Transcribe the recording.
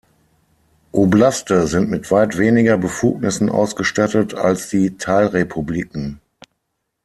Oblaste sind mit weit weniger Befugnissen ausgestattet als die Teilrepubliken.